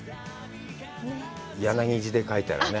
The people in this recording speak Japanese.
柳字で書いたらね。